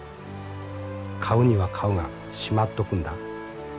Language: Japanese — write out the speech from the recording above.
買うには買うがしまっとくんだ。